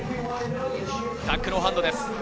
タックノーハンドです。